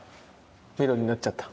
ミロになっちゃった。